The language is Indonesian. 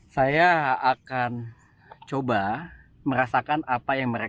saya akan coba merasakan apa yang mereka